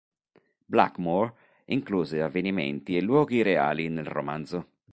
Blackmore incluse avvenimenti e luoghi reali nel romanzo.